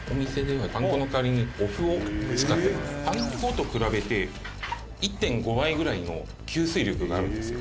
「パン粉と比べて１．５倍ぐらいの吸水力があるんですよ」